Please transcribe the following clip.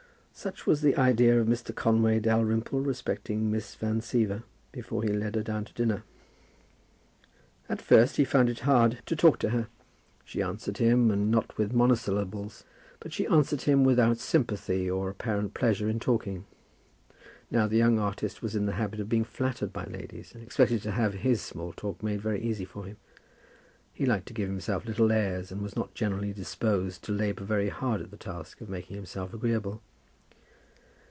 Such was the idea of Mr. Conway Dalrymple respecting Miss Van Siever, before he led her down to dinner. At first he found it hard to talk to her. She answered him, and not with monosyllables. But she answered him without sympathy, or apparent pleasure in talking. Now the young artist was in the habit of being flattered by ladies, and expected to have his small talk made very easy for him. He liked to give himself little airs, and was not generally disposed to labour very hard at the task of making himself agreeable.